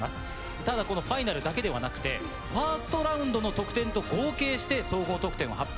ただこのファイナルだけではなくてファーストラウンドの得点と合計して総合得点を発表。